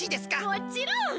もちろん！